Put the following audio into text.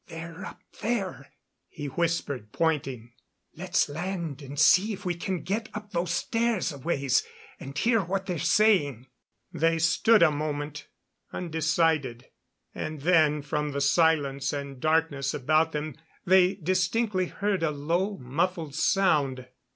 "They're up there," he whispered, pointing. "Let's land and see if we can get up those stairs a ways and hear what they're saying." They stood a moment, undecided, and then from the silence and darkness about them they distinctly heard a low muffled sound.